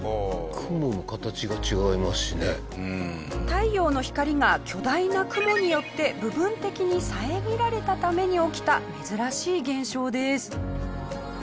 太陽の光が巨大な雲によって部分的に遮られたために起きた珍しい現象です。